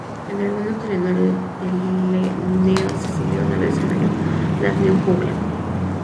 Entre algunos teloneros se subieron al escenario las Neon Jungle.